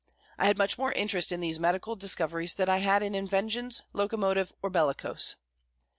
I had much more interest in these medical discoveries than I had in inventions, locomotive or bellicose.